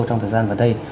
trong thời gian vừa đây